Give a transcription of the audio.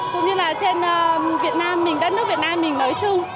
cũng như là trên việt nam mình đất nước việt nam mình nói chung